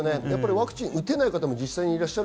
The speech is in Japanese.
ワクチンを実際、打てない方もいらっしゃる。